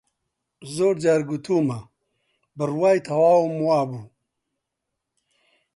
زۆر جار گوتوومە، بڕوای تەواوم وا بوو